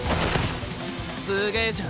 すげえじゃん。